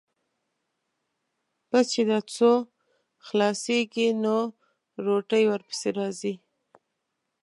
بس چې دا څو خلاصېږي، نو روټۍ ورپسې راځي.